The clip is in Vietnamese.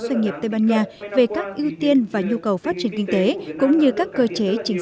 doanh nghiệp tây ban nha về các ưu tiên và nhu cầu phát triển kinh tế cũng như các cơ chế chính